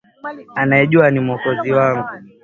Anayejua ni Mwokozi wangu.